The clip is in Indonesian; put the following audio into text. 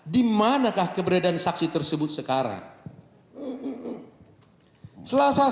dimanakah keberadaan saksi tersebut sekarang